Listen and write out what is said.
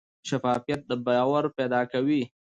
شفافیت باور پیدا کوي